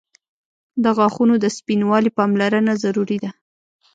• د غاښونو د سپینوالي پاملرنه ضروري ده.